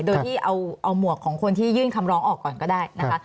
โดยที่เอาหมวกของคนที่ยื่นคำร้องออกก่อนก็ได้นะคะ